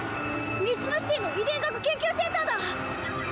ミツマシティの遺伝学研究センターだ！